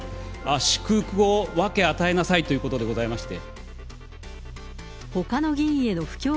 祝福を分け与えなさいということでございまして。